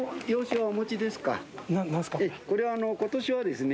これは今年はですね